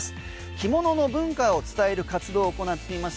着物の文化を伝える活動を行っています